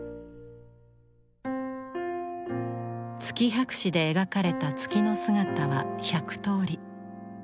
「月百姿」で描かれた月の姿は１００通り。